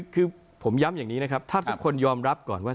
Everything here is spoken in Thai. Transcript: คือผมย้ำอย่างนี้นะครับถ้าทุกคนยอมรับก่อนว่า